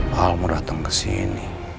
pal mau datang kesini